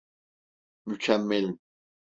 Mükemmelim.